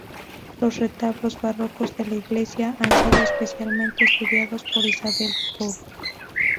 Los retablos barrocos de la iglesia han sido especialmente estudiados por Isabel Coll.